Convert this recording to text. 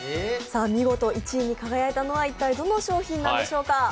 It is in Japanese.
見事１位に輝いたのは一体どの商品なんでしょうか。